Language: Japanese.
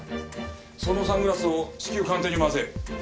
そのサングラスを至急鑑定に回せ。